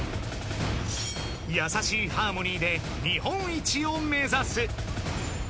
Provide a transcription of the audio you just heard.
［優しいハーモニーで日本一を目指す］